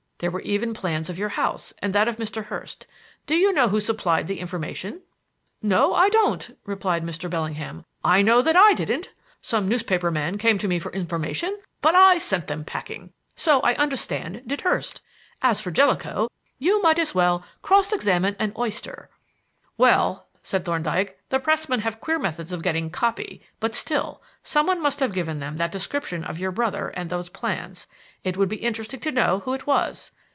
There were even plans of your house and that of Mr. Hurst. Do you know who supplied the information?" "No, I don't," replied Mr. Bellingham. "I know that I didn't. Some newspaper men came to me for information, but I sent them packing. So, I understand, did Hurst; and as for Jellicoe, you might as well cross examine an oyster." "Well," said Thorndyke, "the pressmen have queer methods of getting 'copy'; but still, some one must have given them that description of your brother and those plans. It would be interesting to know who it was.